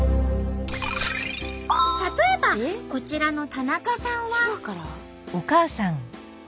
例えばこちらの田中さんは。